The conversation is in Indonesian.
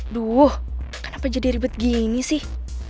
duh kenapa jadi ribet gini sih